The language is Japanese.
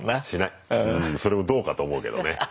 うんそれもどうかと思うけどね。